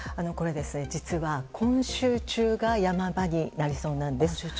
実は、今週中が山場になりそうなんです。